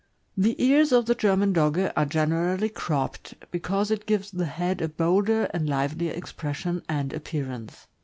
The ears of the German Dogge are generally cropped, because it gives the head a bolder and livelier expression and appearance.